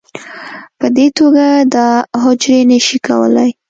په دې توګه دا حجرې نه شي کولی